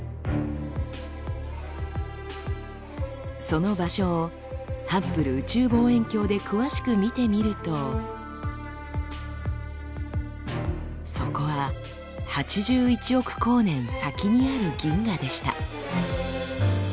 その場所をハッブル宇宙望遠鏡で詳しく見てみるとそこは８１億光年先にある銀河でした。